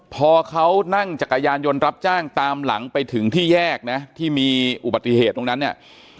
พอเขานั่งจักรยานยนต์รับจ้างตามหลังไปถึงที่แยกนะที่มีอุบัติเหตุตรงนั้นเนี่ย